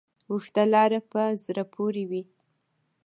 اوږده لاره په زړه پورې وي.